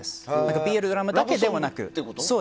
ＢＬドラマだけではなく。